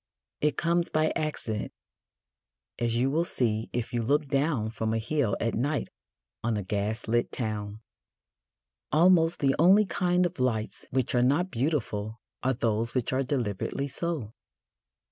It comes by accident, as you will see if you look down from a hill at night on a gas lit town. Almost the only kind of lights which are not beautiful are those which are deliberately so.